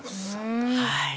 はい。